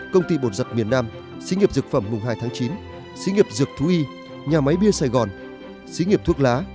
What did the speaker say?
công ty bột giật miền nam sĩ nghiệp dược phẩm mùng hai tháng chín sĩ nghiệp dược thú y nhà máy bia sài gòn sĩ nghiệp thuốc lá